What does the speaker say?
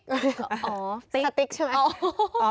สาวติ๊กใช่ไหม